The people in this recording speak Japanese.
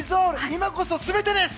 今こそ全てです！